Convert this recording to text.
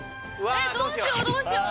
えーどうしようどうしよう